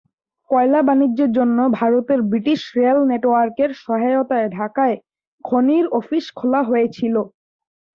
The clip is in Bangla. কয়লা বাণিজ্যের জন্য ভারতের ব্রিটিশ রেল নেটওয়ার্কের সহায়তায় ঢাকায় খনির অফিস খোলা হয়েছিল।